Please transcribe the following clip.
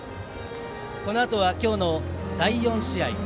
このあとは今日の第４試合。